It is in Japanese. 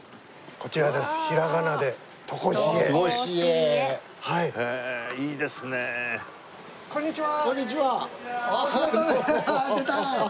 こんにちは。